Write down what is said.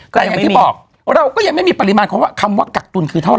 แต่อย่างที่บอกเราก็ยังไม่มีปริมาณความว่าคำว่ากักตุลคือเท่าไ